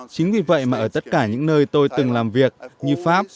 chính vì vậy mà ở tất cả những nơi tôi từng làm việc như pháp